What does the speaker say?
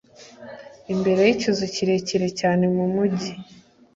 imbere yikizu kirekire cyane mumugi